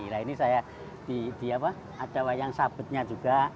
nah ini saya di apa ada wayang sabetnya juga